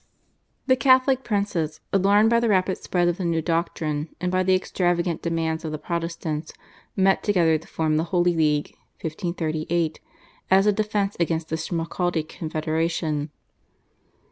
The Catholic princes, alarmed by the rapid spread of the new doctrines and by the extravagant demands of the Protestants, met together to form the Holy League (1538) as a defence against the Schmalkaldic confederation.